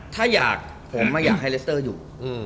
ถ้าอยากผมอยากให้เลสเตอร์อยู่